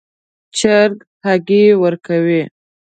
چرګ هګۍ ورکوي